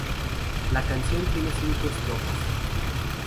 La canción tiene cinco estrofas.